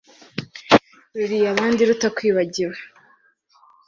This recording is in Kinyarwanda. ruliye abandi rutakwibagiwe